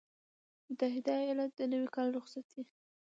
متحده ایالات - د نوي کال رخصتي